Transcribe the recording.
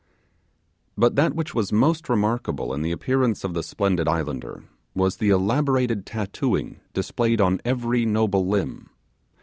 But that which was most remarkable in the appearance of this splendid islander was the elaborate tattooing displayed on every noble limb.